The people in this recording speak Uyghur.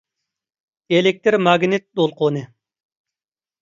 ئېلېكتىر ماگنىت دولقۇنى